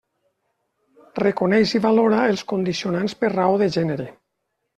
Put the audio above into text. Reconeix i valora els condicionants per raó de gènere.